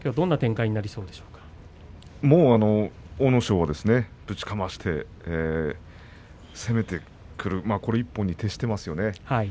もう阿武咲はぶちかまして攻めてくるこれ１本に徹してますよね。